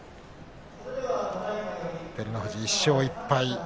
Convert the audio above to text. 照ノ富士、１勝１敗。